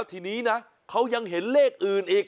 ทีนี้นะเขายังเห็นเลขอื่นอีก